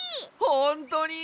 ほんとに？